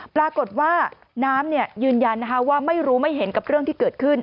ปรากฏว่าน้ำยืนยันว่าไม่รู้ไม่เห็นกับเรื่องที่เกิดขึ้น